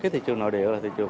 thị trường nội địa là thị trường